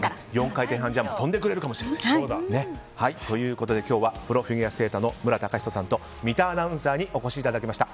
４回転半ジャンプ跳んでくれるかもしれないと。ということで今日はプロフィギュアスケーターの無良崇人さんと三田アナウンサーにお越しいただきました。